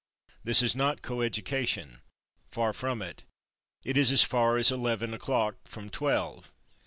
This is not co education; far from it; it is as far as eleven o'clock from twelve.